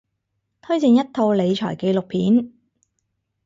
推薦一套理財紀錄片